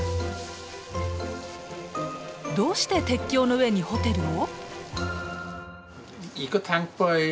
どうして鉄橋の上にホテルを？